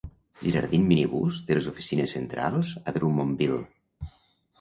Girardin Minibus té les oficines centrals a Drummondville.